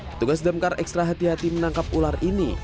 petugas damkar ekstra hati hati menangkap ular ini